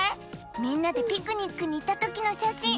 みんなでピクニックにいったときのしゃしん。